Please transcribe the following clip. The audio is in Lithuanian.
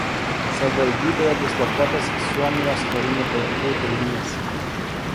Savivaldybėje dislokuotas Suomijos karinių pajėgų dalinys.